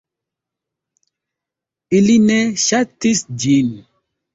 Ili ne ŝatis ĝin.